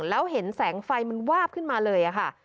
แล้วเห็นแสงไฟมันวาบขึ้นมาเลยค่ะ